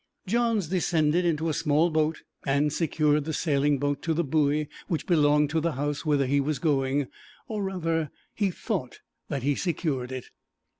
Johns descended into a small boat and secured the sailing boat to the buoy which belonged to the house whither he was going, or rather, he thought that he secured it.